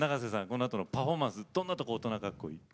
このあとのパフォーマンスどんなところ大人かっこいい？